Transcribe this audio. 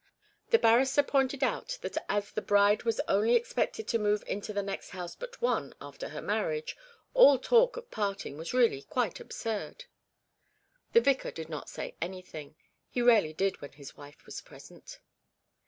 The barrister pointed out that as the bride was only expected to move into the next house but one after her marriage, all talk of parting was really quite absurd. The vicar did not say anything; he rarely did when his wife was present.